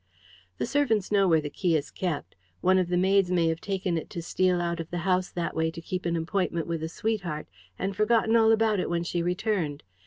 "The servants know where the key is kept. One of the maids may have taken it to steal out of the house that way to keep an appointment with a sweetheart, and forgotten all about it when she returned.